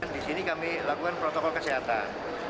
di sini kami lakukan protokol kesehatan